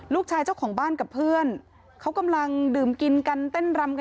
เจ้าของบ้านกับเพื่อนเขากำลังดื่มกินกันเต้นรำกัน